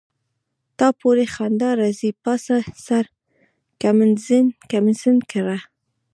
تا پوری خندا راځي پاڅه سر ګمنځ کړه.